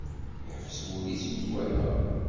Yeḥbes wul-is mi i t-iwala.